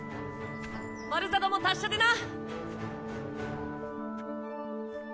バルザドも達者でな。